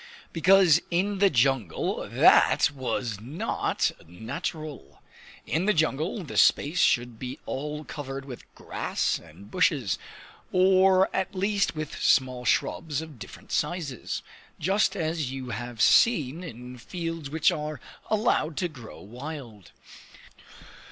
Because in the jungle that was not natural! In the jungle the space should be all covered with grass and bushes, or at least with small shrubs of different sizes, just as you have seen in fields which are allowed to grow wild.